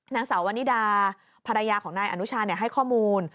นางสาววันนิดาภรรยาของนายอนุชาให้ข้อมูล